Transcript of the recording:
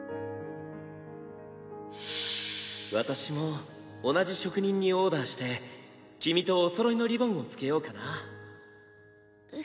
私も同じ職人にオーダーして君とおそろいのリボンを付けようかなふふっ。